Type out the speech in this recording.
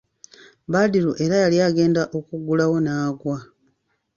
Badru era yali agenda okugulawo n'aggwa.